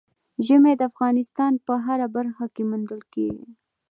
ژمی د افغانستان په هره برخه کې موندل کېږي.